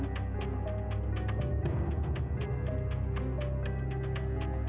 ya udah aku mau menemui jessica dulu